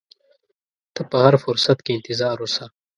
ته په هر فرصت کې انتظار اوسه.